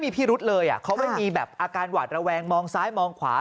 มีพิรุษเลยเขาไม่มีแบบอาการหวาดระแวงมองซ้ายมองขวา